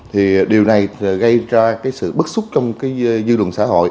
thì điều này gây ra sự bất xúc trong dư luận xã hội